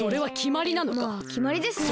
まあきまりですね。